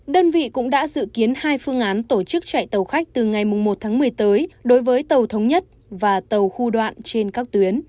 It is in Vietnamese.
đơn vị cũng đã dự kiến hai phương án tổ chức chạy tàu khách từ ngày một tháng một mươi tới đối với tàu thống nhất và tàu khu đoạn trên các tuyến